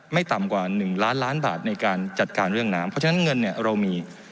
ต่ำกว่า๑ล้านล้านบาทในการจัดการเรื่องน้ำเพราะฉะนั้นเงินเนี่ยเรามี